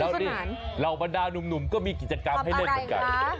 แล้วแบบนี้เราบรรดานุ่มก็มีกิจกรรมให้เล่นตะไก่